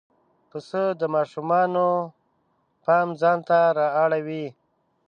پسه د ماشومانو پام ځان ته را اړوي.